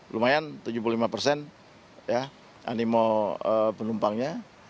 lumayan tujuh puluh lima persen animo penumpangnya